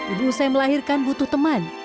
ibu usai melahirkan butuh teman